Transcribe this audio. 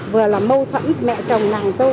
vừa là mâu thuẫn mẹ chồng nàng dâu